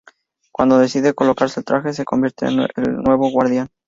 Cuando decide colocarse el traje, se convierte en el nuevo Guardián.